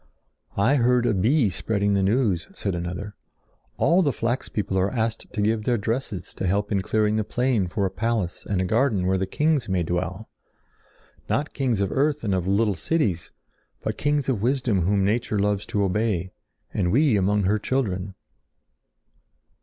"I heard a bee spreading the news," said another. "All the flax people are asked to give their dresses to help in clearing the plain for a palace and a garden where kings may dwell—not kings of earth and of little cities, but kings of wisdom whom nature loves to obey, and we among her children."